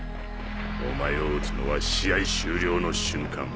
お前を撃つのは試合終了の瞬間。